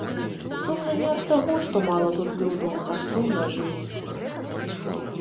Сумна не ад таго, што мала тут люду, а сумна жыць.